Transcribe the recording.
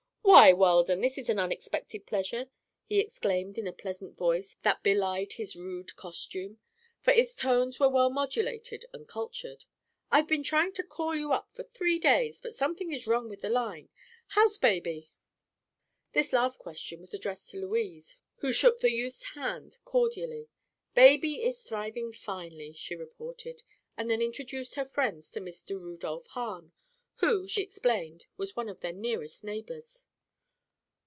"Why, Weldon, this is an unexpected pleasure," he exclaimed in a pleasant voice that belied his rude costume, for its tones were well modulated and cultured. "I've been trying to call you up for three days, but something is wrong with the line. How's baby?" This last question was addressed to Louise, who shook the youth's hand cordially. "Baby is thriving finely," she reported, and then introduced her friends to Mr. Rudolph Hahn, who, she explained, was one of their nearest neighbors.